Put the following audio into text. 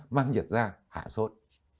mang nhiệt ra hạ sốt